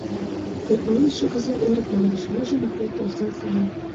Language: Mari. Тек пален шогыза: Эрык Мландеш Вожым ок колто осал саман!